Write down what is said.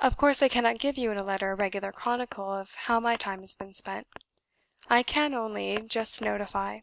"Of course I cannot give you in a letter a regular chronicle of how my time has been spent. I can only just notify.